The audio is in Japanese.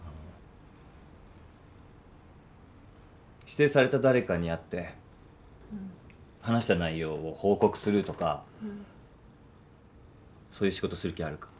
指定された誰かに会って話した内容を報告するとかそういう仕事する気あるか？